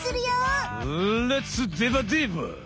レッツデバデバ！